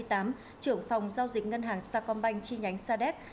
trưởng phòng giao dịch ngân hàng sa công banh chi nhánh sa đéc